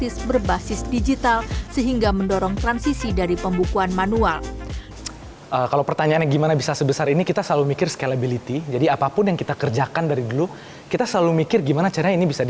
serta memiliki tujuan membantu mereka mendapatkan kemudahan